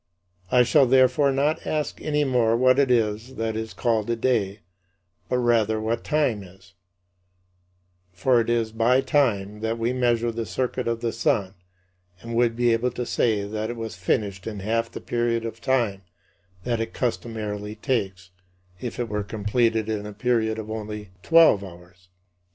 I shall, therefore, not ask any more what it is that is called a day, but rather what time is, for it is by time that we measure the circuit of the sun, and would be able to say that it was finished in half the period of time that it customarily takes if it were completed in a period of only twelve hours.